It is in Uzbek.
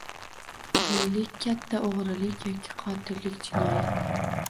Deylik, katta o‘g‘rilik yoki qotillik jinoyat